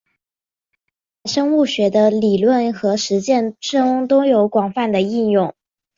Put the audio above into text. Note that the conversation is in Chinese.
生物数学在生物学的理论和实践中都有广泛的应用。